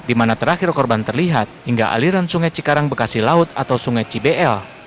di mana terakhir korban terlihat hingga aliran sungai cikarang bekasi laut atau sungai cibl